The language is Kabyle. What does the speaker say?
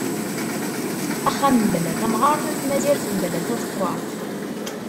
Axxam mebla tamɣert am tmazirt mebla tadekkaṛt.